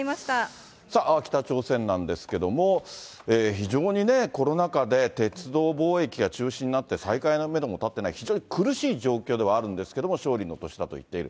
さあ、北朝鮮なんですけども、非常にコロナ禍で鉄道貿易が中止になって、再開のメドも立ってない非常に苦しい状況ではあるんですけれども、勝負の年だと言っている。